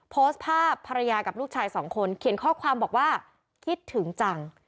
โพสต์ภาพภรรยากับลูกชายสองคนเขียนข้อความบอกว่าคิดถึงจัง